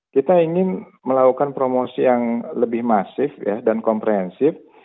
kita ingin melakukan promosi yang lebih masif dan komprehensif